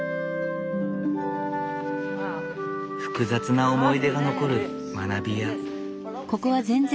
複雑な思い出が残る学びや。